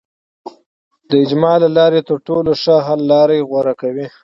د اجماع له لارې تر ټولو ښه حل لاره غوره کوي.